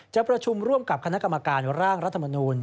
จะประชุมร่วมกับคณะกรรมการร่างรัฐมนูล